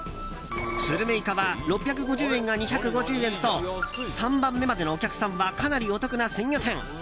スルメイカは６５０円が２５０円と３番目までのお客さんはかなりお得な鮮魚店。